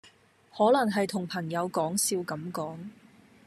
可能係同朋友講笑咁講